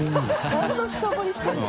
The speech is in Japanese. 何の深掘りしてるの？